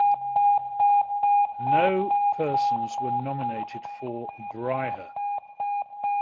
No persons were nominated for Bryher.